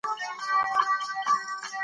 پښتو ژبه ژوندۍ او زړه ده.